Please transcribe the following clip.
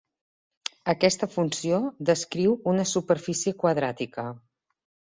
Aquesta funció descriu una superfície quadràtica.